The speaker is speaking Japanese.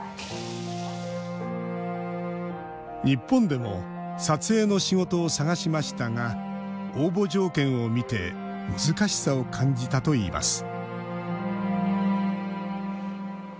日本でも撮影の仕事を探しましたが応募条件を見て難しさを感じたといいます